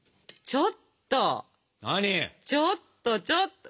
ちょっとちょっと！